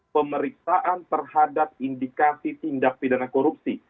pemeriksaan terhadap indikasi tindak pidana korupsi